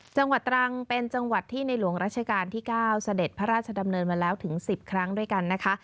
จังหวัดตรังเป็นจังหวัดที่ในหลวงราชการที่๙เสด็จพระราชดำเนินมาแล้วถึง๑๐ครั้งด้วยกันนะคะ